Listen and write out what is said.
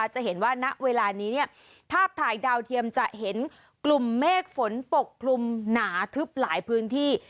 จะเห็นว่าณเวลานี้เนี่ยภาพถ่ายดาวเทียมจะเห็นกลุ่มเมฆฝนปกคลุมหนาทึบหลายพื้นที่